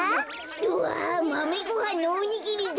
うわマメごはんのおにぎりだ。